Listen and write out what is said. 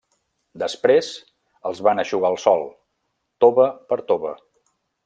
Després, els van eixugar al sol, tova per tova.